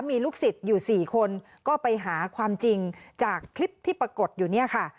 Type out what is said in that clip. มีลูกศิษย์อยู่๔คนก็ไปหาความจริงจากคลิปที่ปรากฏอยู่เนี่ยค่ะ